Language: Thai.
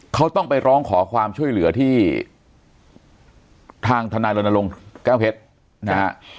เขาต้องไปร้องขอความช่วยเหลือที่ทางทนายรณรงค์แก้วเพชรนะฮะ